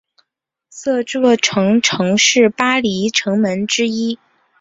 这座城门曾是巴黎城门之一。